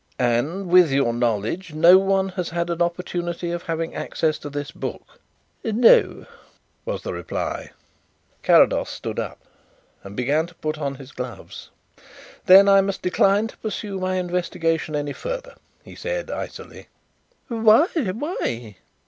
"And, with your knowledge, no one has had an opportunity of having access to this book?" "No," was the reply. Carrados stood up and began to put on his gloves. "Then I must decline to pursue my investigation any further," he said icily. "Why?"